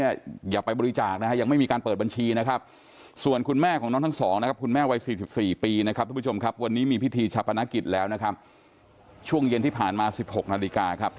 อย่าไปบริจาคนะครับยังไม่มีการเปิดบัญชีนะครับ